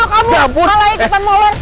kamu malah ikutan moler